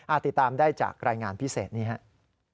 ติดตามได้จากรายงานพิเศษนี้ครับ